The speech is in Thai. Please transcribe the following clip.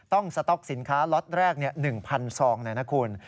ต้องสต็อกสินค้าล็อตแรก๑๐๐๐ซองนะครับคุณ